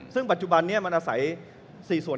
ซึ่งปัจจุบันนี้มันอาศัย๔ส่วน